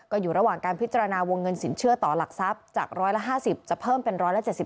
ก็อยู่ระหว่างการพิจารณาวงเงินสินเชื่อต่อหลักทรัพย์จาก๑๕๐จะเพิ่มเป็น๑๗๐